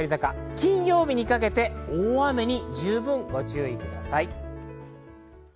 金曜日にかけて大雨に十分ご注意ください。